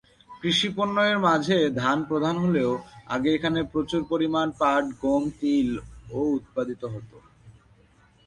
কৃষি পণ্য এর মাঝে ধান প্রধান হলেও আগে এখানে প্রচুর পরিমাণ পাট, গম, তিল ও উৎপাদিত হতো।